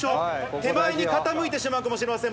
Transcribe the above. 手前に傾いてしまうかもしれません。